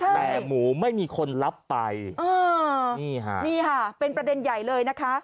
แต่หมูไม่มีคนรับไปเออนี่ค่ะนี่ค่ะเป็นประเด็นใหญ่เลยนะคะ